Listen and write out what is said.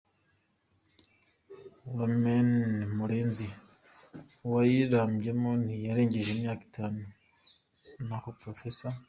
Romain Murenzi wayirambyemo ntiyarengeje imyaka itanu, na ho Prof.